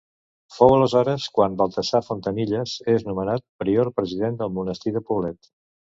Fou aleshores quan Baltasar Fontanilles és nomenat Prior president del Monestir de Poblet.